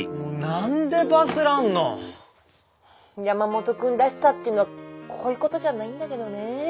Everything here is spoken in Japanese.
なんでバズらんの⁉山本君らしさっていうのはこういうことじゃないんだけどね。